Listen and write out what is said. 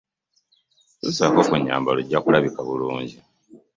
Kyusako ku nyambala ojja kulabika bulungi.